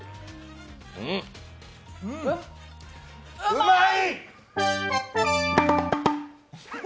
うまい！